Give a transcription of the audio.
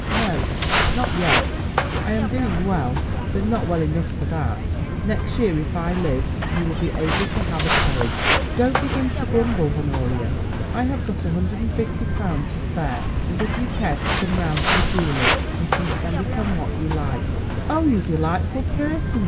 "No, not yet; I am doing well, but not well enough for that. Next year, if I live, you will be able to have a carriage. Don't begin to grumble, Honoria. I have got £150 to spare, and if you care to come round to a jeweller's you can spend it on what you like." "Oh, you delightful person!"